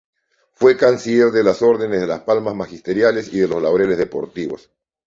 Fue canciller de las órdenes de las Palmas Magisteriales y de los Laureles Deportivos.